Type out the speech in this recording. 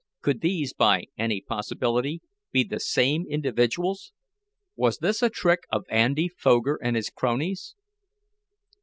Could these, by any possibility, be the same individuals? Was this a trick of Andy Foger and his cronies?